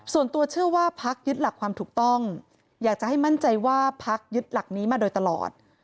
ส่วนตัวเชื่อว่าพักยึดหลักความถูกต้องอยากจะให้มั่นใจว่าพักยึดหลักนี้มาโดยตลอด